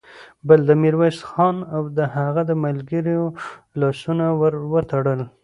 بل د ميرويس خان او د هغه د ملګرو لاسونه ور وتړل.